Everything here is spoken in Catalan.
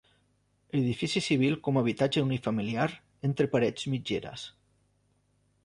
Edifici civil com a habitatge unifamiliar entre parets mitgeres.